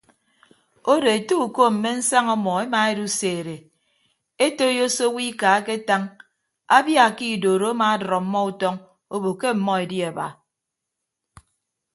Odo ete uko mme nsaña ọmọ emaeduseede etoiyo se owo ika aketañ abia ke idoro amadʌd ọmmọ utọñ obo ke ọmmọ edi aba.